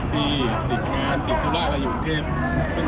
ที่ติดงานติดธุระเราอยู่กรุงเทพ